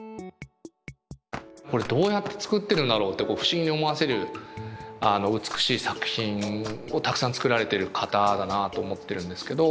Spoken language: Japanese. これどうやって作ってるんだろうって不思議に思わせる美しい作品をたくさん作られてる方だなと思ってるんですけど。